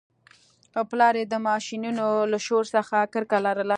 پلار یې د ماشینونو له شور څخه کرکه لرله